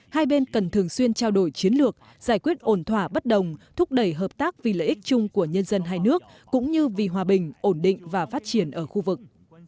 hai bên cần thường xuyên trao đổi chiến lược giải quyết ổn thỏa bất đồng thúc đẩy hợp tác vì lợi ích chung của nhân dân hai nước cũng như vì hòa bình ổn định và phát triển ở khu vực